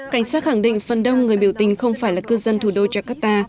cảnh sát khẳng định phần đông người biểu tình không phải là cư dân thủ đô jakarta